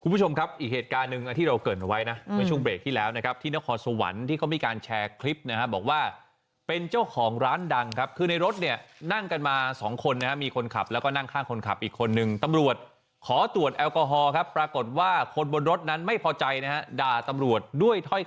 คุณผู้ชมครับอีกเหตุการณ์หนึ่งที่เราเกิดไว้นะเมื่อช่วงเบรกที่แล้วนะครับที่นครสวรรค์ที่เขามีการแชร์คลิปนะฮะบอกว่าเป็นเจ้าของร้านดังครับคือในรถเนี่ยนั่งกันมาสองคนนะฮะมีคนขับแล้วก็นั่งข้างคนขับอีกคนนึงตำรวจขอตรวจแอลกอฮอล์ครับปรากฏว่าคนบนรถนั้นไม่พอใจนะฮะด่าตำรวจด้วยถ้อย